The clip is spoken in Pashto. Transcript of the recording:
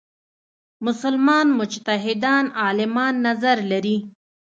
مسلمان مجتهدان عالمان نظر لري.